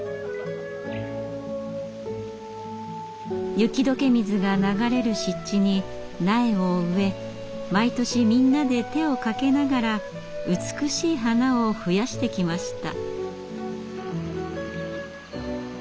雪解け水が流れる湿地に苗を植え毎年みんなで手をかけながら美しい花を増やしてきました。